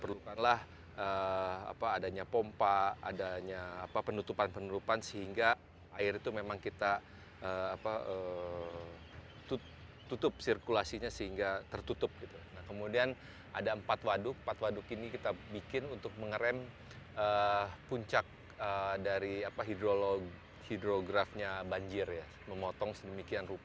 walaupun tidak diharapkan tetap kita harus bersiap